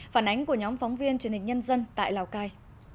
phản ánh của nhóm phóng viên truyền hình nhân dân tại lào cai